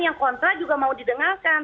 yang kontra juga mau didengarkan